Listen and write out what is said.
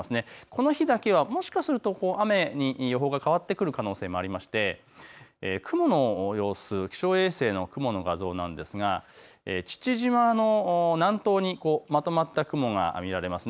この日だけはもしかすると雨に予報が変わってくる可能性もありまして雲の様子、気象衛星の雲の画像なんですが父島の南東にまとまった雲が見られます。